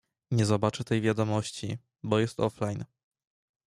Nie zobaczy tej wiadomości, bo jest offline.